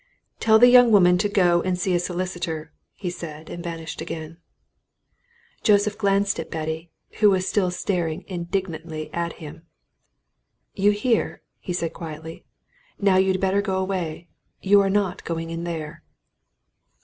"Tell the young woman to go and see a solicitor," he said, and vanished again. Joseph glanced at Betty, who was still staring indignantly at him. "You hear?" he said quietly. "Now you'd better go away. You are not going in there."